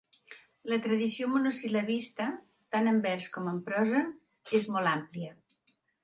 La tradició monosil·labista, tan en vers com en prosa, és molt àmplia.